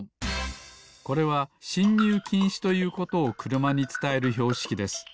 これは「しんにゅうきんし」ということをくるまにつたえるひょうしきです。